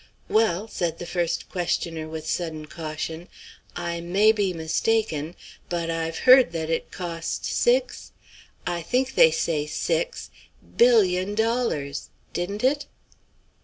"Well," said the first questioner with sudden caution, "I may be mistaken, but I've heard that it cost six I think they say six billion dollars. Didn't it?"